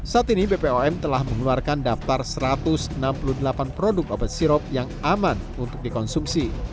saat ini bpom telah mengeluarkan daftar satu ratus enam puluh delapan produk obat sirop yang aman untuk dikonsumsi